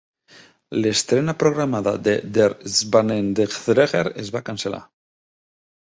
L'estrena programada de "Der Schwanendreher" es va cancel·lar.